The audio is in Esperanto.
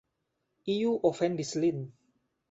Iu ofendis lin.